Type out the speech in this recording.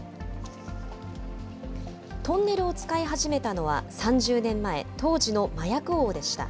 トンネルを使い始めたのは３０年前、当時の麻薬王でした。